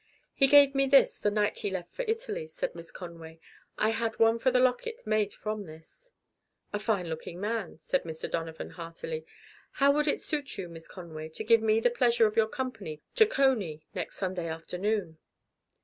"He gave me this the night he left for Italy," said Miss Conway. "I had one for the locket made from this." "A fine looking man," said Mr. Donovan heartily. "How would it suit you, Miss Conway, to give me the pleasure of your company to Coney next Sunday afternoon?"